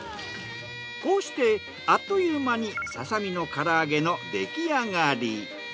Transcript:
こうしてあっという間にササミの唐揚げの出来上がり。